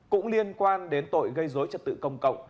cũng liên quan đến tội gây dối trật tự công cộng